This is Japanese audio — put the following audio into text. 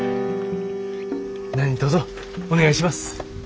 何とぞお願いします。